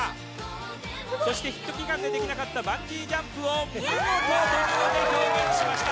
そしてヒット祈願でできなかったバンジージャンプを見事ドミノで表現しました。